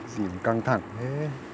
cái gì mà căng thẳng thế